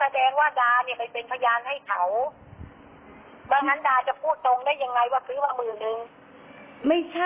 เอาที่คุณนายสบายใจละกันค่ะ